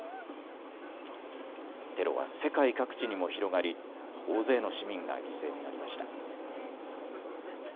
テロは世界各地にも広がり大勢の市民が犠牲になりました。